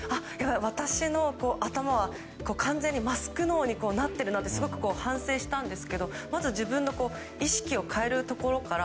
私の頭は完全にマスク脳になっているなとすごく反省したんですけどまず自分の意識を変えるところから。